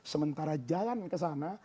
sementara jalan ke sana